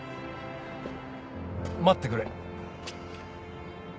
待ってくれ。